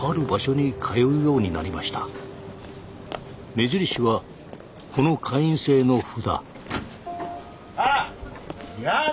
目印はこの会員制の札。